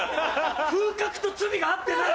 風格と罪が合ってない。